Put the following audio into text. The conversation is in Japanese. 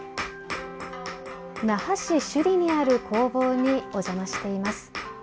那覇市首里にある工房にお邪魔しています。